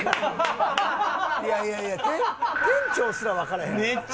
いやいやいや店長すらわからへん。